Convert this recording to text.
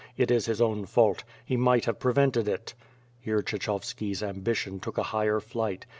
It is his own fault. He might have prevented it!'* Here Kshechovski's ambition took a higher flight.